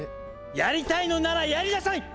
やりたいのならやりなさい！